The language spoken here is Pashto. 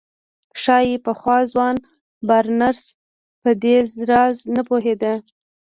ښايي پخوا ځوان بارنس په دې راز نه پوهېده.